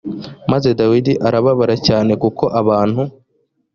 maze dawidi arababara cyane kuko abantu